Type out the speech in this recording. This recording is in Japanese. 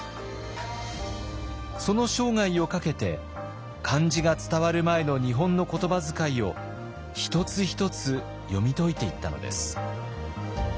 その生涯をかけて漢字が伝わる前の日本の言葉遣いを一つ一つ読み解いていったのです。